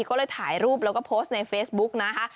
ก็เลยถ่ายรูปแล้วก็โพสต์ในเฟซบุ๊กนะคะ